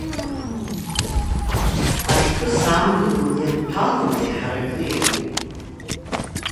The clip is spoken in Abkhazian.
Ахьтәы саан ду ианҭәаланы иҳаракны иакуп.